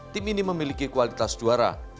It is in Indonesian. tim ini memiliki kualitas juara